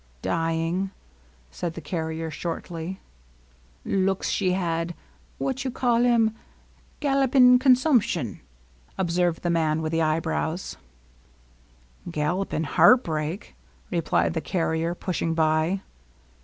^^ Dyin'," said the carrier shortly. " Looks she had — what you call him ?— gallop in' consum'tion," observed the man with the eye brows. LOVELINESS. 27 '^ Gallopin' heartbreak/' replied the carrier, push ing by.